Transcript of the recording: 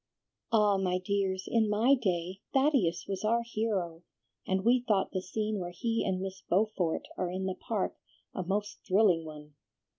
"Ah, my dears, in my day, Thaddeus was our hero, and we thought the scene where he and Miss Beaufort are in the Park a most thrilling one.